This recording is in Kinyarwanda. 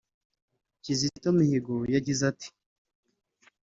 Kizito Mihigo yagize ati